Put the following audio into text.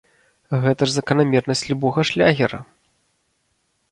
Гэта ж заканамернасць любога шлягера!